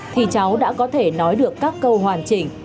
thì cháu đã có thể nói được các câu hoàn chỉnh